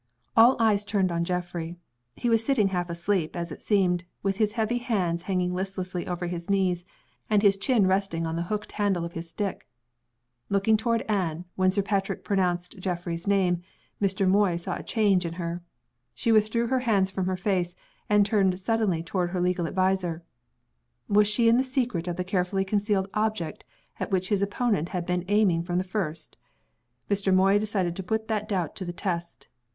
All eyes turned on Geoffrey. He was sitting half asleep, as it seemed with his heavy hands hanging listlessly over his knees, and his chin resting on the hooked handle of his stick. Looking toward Anne, when Sir Patrick pronounced Geoffrey's name, Mr. Moy saw a change in her. She withdrew her hands from her face, and turned suddenly toward her legal adviser. Was she in the secret of the carefully concealed object at which his opponent had been aiming from the first? Mr. Moy decided to put that doubt to the test.